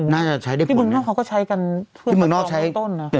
น่าจะใช้ได้ผล